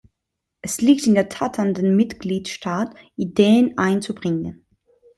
Es liegt in der Tat an den Mitgliedstaat, Ideen einzubringen.